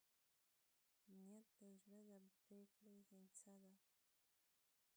نیت د زړه د پرېکړې هندسه ده.